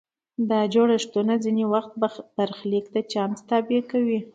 دا جوړښتونه ځینې وخت برخلیک د چانس تابع کوي.